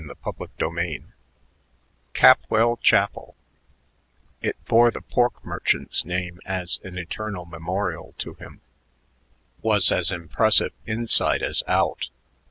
CHAPTER V Capwell Chapel it bore the pork merchant's name as an eternal memorial to him was as impressive inside as out.